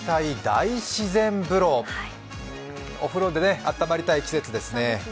お風呂であったまりたい季節ですね。